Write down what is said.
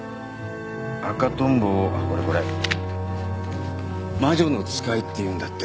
赤トンボをこれこれ魔女の使いっていうんだって。